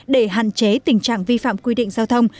để hạn chế tình trạng vi phạm quy định giao thông